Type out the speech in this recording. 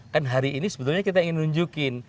kan hari ini sebetulnya kita ingin nunjukin